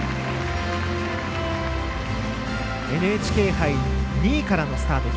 ＮＨＫ杯、２位からのスタート。